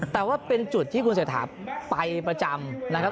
แต่มีจุดที่คุณสัยถาไปประจำ